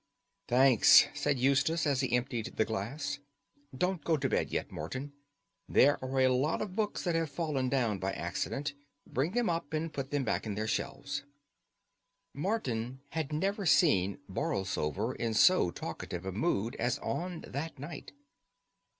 "Thanks," said Eustace, as he emptied the glass. "Don't go to bed yet, Morton. There are a lot of books that have fallen down by accident; bring them up and put them back in their shelves." Morton had never seen Borlsover in so talkative a mood as on that night.